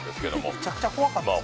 めちゃくちゃ怖かったですよ。